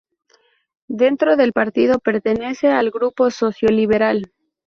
Dentro del partido pertenece al grupo socio-liberal.